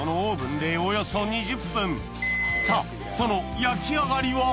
さぁその焼き上がりは？